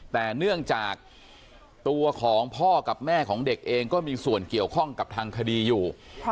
แต่เนื่องจากตัวของพ่อกับแม่ของเด็กเองก็มีส่วนเกี่ยวข้องกับทางคดีอยู่